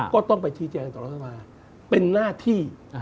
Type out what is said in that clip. ก็ต้องไปชี้แจงต่อรัฐบาลเป็นหน้าที่